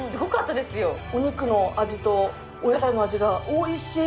お肉の味とお野菜の味が、おいしい。